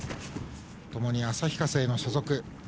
ともに旭化成の所属。